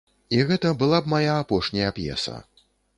І гэта была б мая апошняя п'еса.